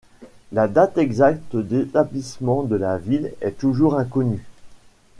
La date exacte d'établissement de la ville est toujours inconnue.